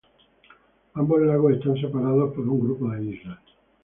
Ambos lagos están separados por un grupo de islas.